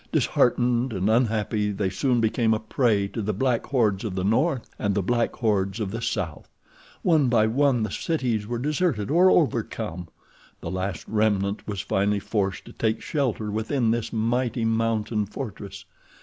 Disheartened and unhappy, they soon became a prey to the black hordes of the north and the black hordes of the south. One by one the cities were deserted or overcome. The last remnant was finally forced to take shelter within this mighty mountain fortress.